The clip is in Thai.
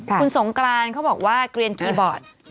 คุณสงกรานเขาบอกว่าเกลียนคีย์บอร์ด